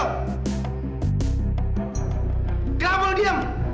kenapa lu diem